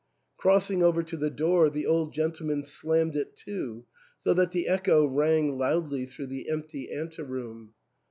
Crossing over to the door, the old gentleman slammed it to, so that the echo rang loudly through the empty anteroom.